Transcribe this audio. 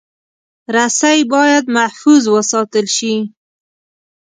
رسۍ باید محفوظ وساتل شي.